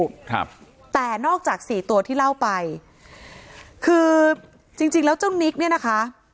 ครับแต่นอกจากสี่ตัวที่เล่าไปคือจริงจริงแล้วเจ้านิกเนี้ยนะคะ